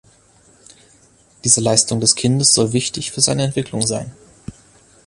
Diese Leistung des Kindes soll wichtig für seine Entwicklung sein.